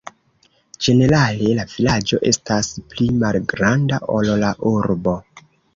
Ĝenerale la vilaĝo estas pli malgranda, ol la urbo.